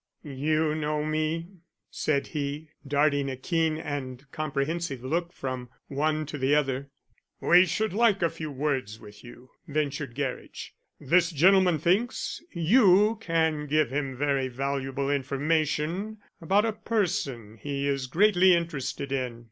"You know me?" said he, darting a keen and comprehensive look from one to the other. "We should like a few words with you," ventured Gerridge. "This gentleman thinks you can give him very valuable information about a person he is greatly interested in."